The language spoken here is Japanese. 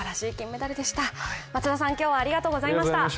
松田さん、今日はありがとうございました。